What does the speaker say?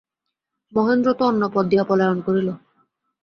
মহেন্দ্র তো অন্য পথ দিয়া পলায়ন করিল।